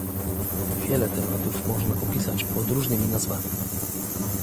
Wiele tematów można opisać pod różnymi nazwami.